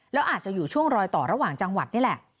แล้วอาจจะอยู่ช่วงรอยต่อระหว่างจังหวัดนี่แหละ